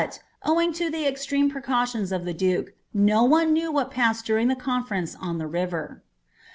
»wing to the extreme precautions of the duke, no one knew what passed iuring the conference on the river.